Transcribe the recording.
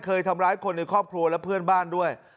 เคยทำร้ายคนในครอบครัวและเพื่อนบ้านด้วย